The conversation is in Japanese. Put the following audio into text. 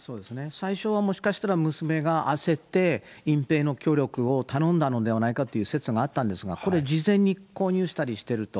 最初はもしかしたら娘が焦って隠蔽の協力を頼んだのではないかという説があったんですが、これ、事前に購入したりしてると。